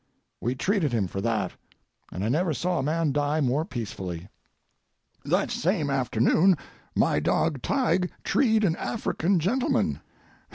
We treated him for that, and I never saw a man die more peacefully. That same afternoon my dog Tige treed an African gentleman.